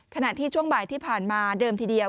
ขณะที่ช่วงบ่ายที่ผ่านมาเดิมทีเดียว